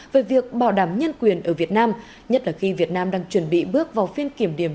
về việc bảo đảm nhân quyền ở việt nam nhất là khi việt nam đang chuẩn bị bước vào phiên kiểm điểm